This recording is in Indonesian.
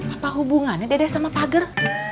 apa hubungannya dede sama pager